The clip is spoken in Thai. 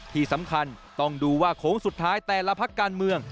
ที่สำคัญต้องดูว่าโค้งสุดท้ายแต่ละพักการเมือง